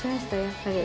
やっぱり。